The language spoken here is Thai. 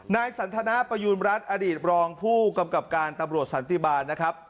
นายสันทนาประยูณรัฐอดีตรองผู้กำกับการตำรวจสันติบาลนะครับ